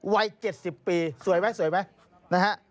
วัย๗๐ปีสวยไหมสวยไหมนะฮะ